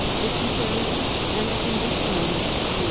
Dysentery and the condition known as Sprue.